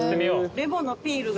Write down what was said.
レモンのピールが。